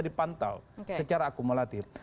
dipantau secara akumulatif